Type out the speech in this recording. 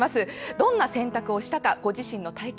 どんな選択をしたかご自身の体験